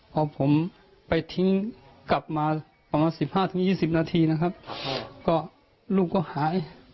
พอผมไปทิ้งกลับมาประมาณสิบห้าถึงยี่สิบนาทีนะครับก็ลูกก็หาย